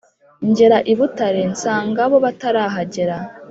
ngera i Butare nsanga bo batarahagera